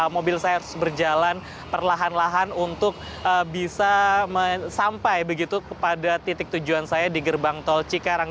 mobil saya harus berjalan perlahan lahan untuk bisa sampai begitu kepada titik tujuan saya di gerbang tol cikarang